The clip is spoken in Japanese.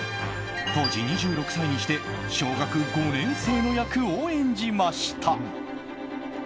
当時２６歳にして小学５年生の役を演じました。